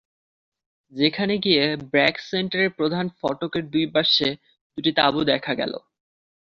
সেখানে গিয়ে ব্র্যাক সেন্টারের প্রধান ফটকের দুই পাশে দুটি তাঁবু দেখা গেল।